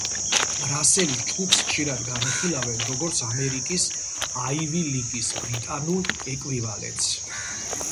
რასელის ჯგუფს ხშირად განიხილავენ როგორც ამერიკის აივი ლიგის ბრიტანულ ეკვივალენტს.